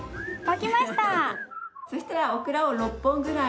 そしたらオクラを６本ぐらい。